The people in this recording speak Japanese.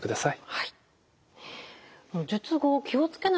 はい。